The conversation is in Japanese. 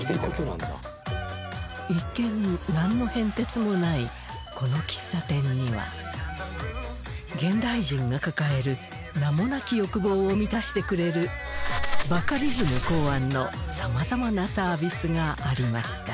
一見なんの変哲もないこの喫茶店には現代人が抱える名もなき欲望を満たしてくれるバカリズム考案の様々なサービスがありました